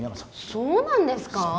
そうなんですか？